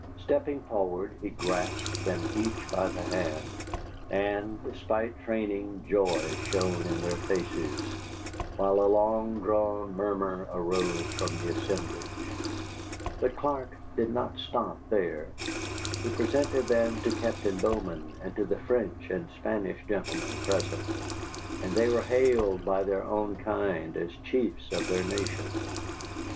Stepping forward, he grasped them each by the hand, and, despite training, joy shone in their faces, while a long drawn murmur arose from the assemblage. But Clark did not stop there. He presented them to Captain Bowman and to the French and Spanish gentlemen present, and they were hailed by their own kind as chiefs of their nation.